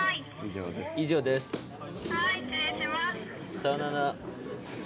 さよなら。